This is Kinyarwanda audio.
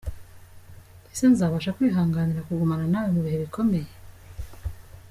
Ese nzabasha kwihanganira kugumana nawe mu bihe bikomeye.